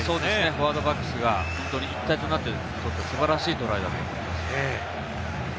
フォワード、バックスが一体となって取った非常に素晴らしいトライだと思います。